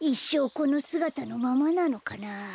このすがたのままなのかな？